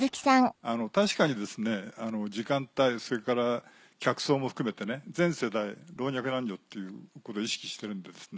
確かに時間帯それから客層も含めて全世代老若男女っていうことは意識してるんですね。